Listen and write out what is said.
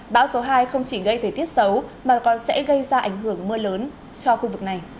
bão số hai không chỉ gây thời tiết xấu mà còn sẽ gây ra ảnh hưởng mưa lớn cho khu vực này